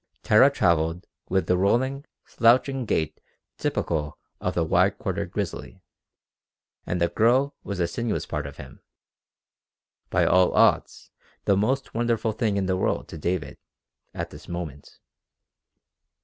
Tara travelled with the rolling, slouching gait typical of the wide quartered grizzly, and the girl was a sinuous part of him by all odds the most wonderful thing in the world to David at this moment.